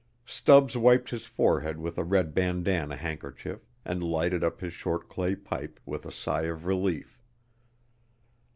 Stubbs wiped his forehead with a red bandanna handkerchief and lighted up his short clay pipe with a sigh of relief.